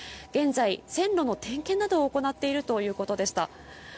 現在、線路の点検などを行っているということでした。